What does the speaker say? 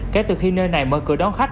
kể từ khi nơi này mở cửa đón khách